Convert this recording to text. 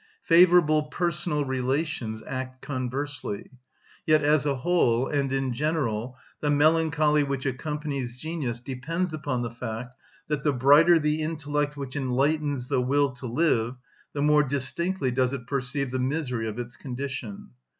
Favourable personal relations act conversely. Yet as a whole and in general the melancholy which accompanies genius depends upon the fact that the brighter the intellect which enlightens the will to live, the more distinctly does it perceive the misery of its condition.